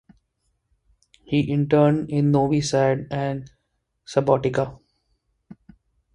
He interned in Novi Sad and Subotica.